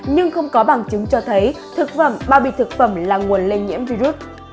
nhưng không có bằng chứng cho thấy thực phẩm bao bì thực phẩm là nguồn lây nhiễm virus